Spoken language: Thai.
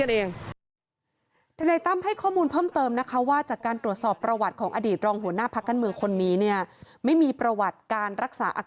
ท่านก็พูดประเด็นนี้นะพี่หุยคุณผู้ชมค่ะไม่อยากจะให้เรียกว่าเขาเป็นโรคจิตหรือเปล่าป่วยทางจิตหรือเปล่าคือมันส่งผลกับรูปคดีเผลอไม่ส่งผลบวกกับเขาด้วย